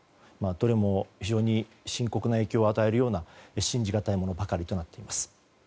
どれも非常に深刻な影響を与えるような信じがたいものばかりとなっています。